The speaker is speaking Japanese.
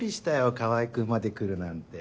川合君まで来るなんて。